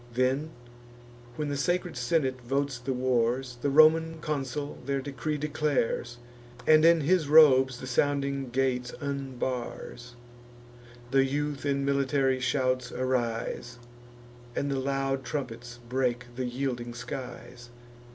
Then, when the sacred senate votes the wars, The Roman consul their decree declares, And in his robes the sounding gates unbars. The youth in military shouts arise, And the loud trumpets break the yielding skies.